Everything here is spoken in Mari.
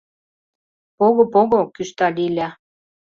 — Пого, пого... — кӱшта Лиля.